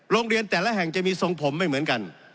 โรงเรียนแต่ละแห่งจะมีทรงผมไม่เหมือนกัน